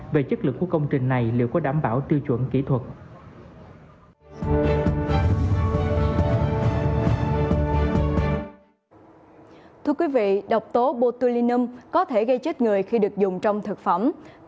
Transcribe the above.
về chất lượng của công trình này liệu có đảm bảo tiêu chuẩn kỹ thuật